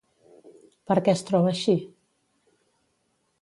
Per què es troba així?